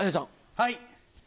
はい。